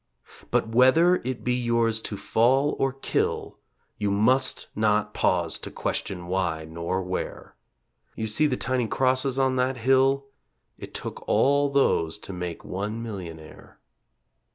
But whether it be yours to fall or kill You must not pause to question why nor where. You see the tiny crosses on that hill? It took all those to make one millionaire.